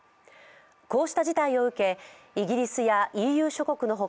こうした事態を受け、イギリスやＥＵ諸国の他